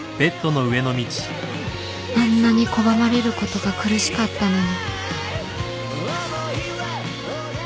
あんなに拒まれることが苦しかったのに